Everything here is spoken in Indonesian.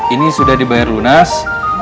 ini sudah dibayar lunas